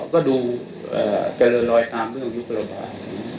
ก็ดูเกลอรอยตามเรื่องยุคโปรบาท